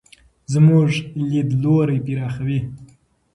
زموږ لیدلوری پراخوي.